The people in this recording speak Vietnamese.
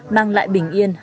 mang lại bình yên hạnh phúc